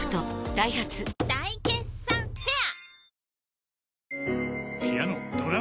ダイハツ大決算フェア